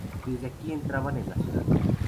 Desde aquí entraban en la ciudad.